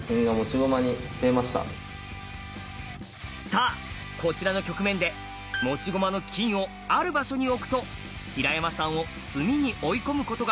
さあこちらの局面で持ち駒の金をある場所に置くと平山さんを「詰み」に追い込むことができます。